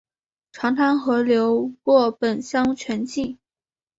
长滩河流过本乡全境。